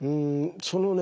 そのね